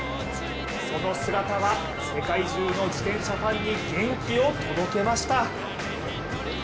その姿は世界中の自転車ファンに元気を届けました。